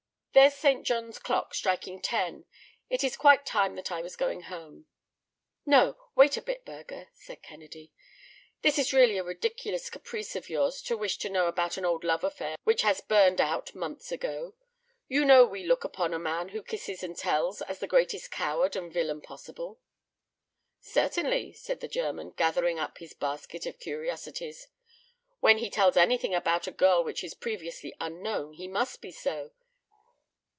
There's Saint John's clock striking ten. It is quite time that I was going home." "No; wait a bit, Burger," said Kennedy; "this is really a ridiculous caprice of yours to wish to know about an old love affair which has burned out months ago. You know we look upon a man who kisses and tells as the greatest coward and villain possible." "Certainly," said the German, gathering up his basket of curiosities, "when he tells anything about a girl which is previously unknown he must be so.